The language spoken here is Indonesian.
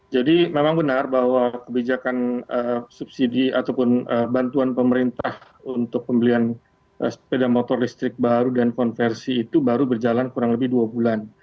memang benar bahwa kebijakan subsidi ataupun bantuan pemerintah untuk pembelian sepeda motor listrik baru dan konversi itu baru berjalan kurang lebih dua bulan